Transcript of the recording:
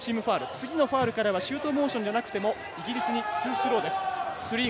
次のファウルからはシュートモーションじゃなくてもイギリスに２スローです。